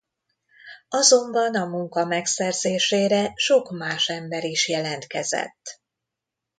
Azonban a munka megszerzésére sok más ember is jelentkezett.